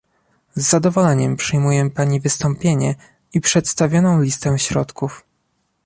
Z zadowoleniem przyjmuję Pani wystąpienie i przedstawioną listę środków